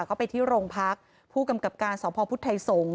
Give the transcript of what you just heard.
ก็ไปที่โรงพักผู้กำกับการสพพุทธไทยสงศ์